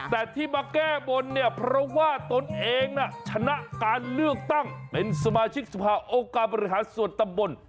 แต่ที่มาแก้บนเนี่ยเพราะว่าตนเองน่ะชนะการเลือกตั้งเป็นสมาชิกสภาองค์การบริหารส่วนตำบล